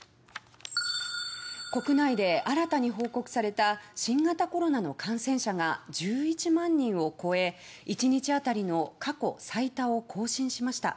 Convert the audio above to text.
国内で新たに報告された新型コロナの感染者が１１万人を超え１日当たりの過去最多を更新しました。